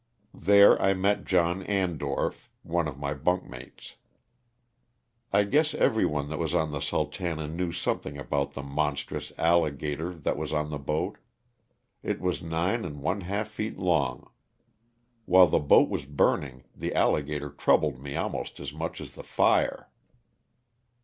There I met John Andorf, one of my bunk mates. I guess everyone that was on the Sul tana" knew something about the monstrous alligator LOSS OF THE SULTANA. 105 that was on the boat. It was nin^ and one half feet long. While the boat was burning the alligator troubled me almost as much as the fire.